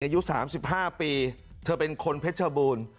อายุ๓๕ปีเธอเป็นคนเพชรบูรณ์